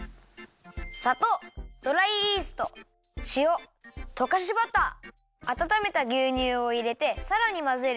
さとうドライイーストしおとかしバターあたためたぎゅうにゅうをいれてさらにまぜるよ。